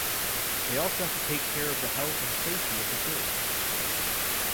They also have to take care of the health and safety of the crew.